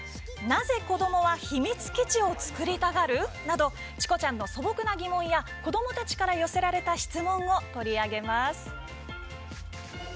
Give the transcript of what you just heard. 「なぜ子どもは秘密基地を作りたがる？」などチコちゃんの素朴な疑問や子どもたちから寄せられた質問を取り上げます。